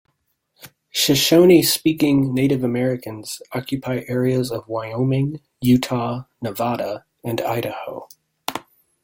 Shoshoni-speaking Native Americans occupy areas of Wyoming, Utah, Nevada, and Idaho.